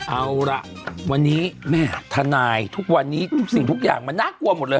เอาล่ะวันนี้แม่ทนายทุกวันนี้สิ่งทุกอย่างมันน่ากลัวหมดเลย